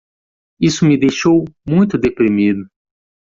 Isso me deixou muito deprimido.